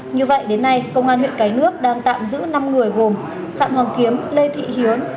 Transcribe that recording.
như vậy đến nay công an huyện cái nước đang tạm giữ năm người gồm phạm hoàng kiếm lê thị hiến